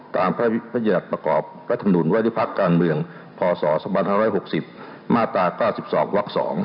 ตามพศ๑๖๐มาตรา๙๒ว๒